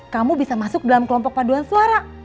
kamu bisa masuk dalam kelompok paduan suara